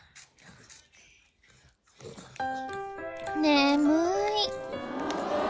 眠い。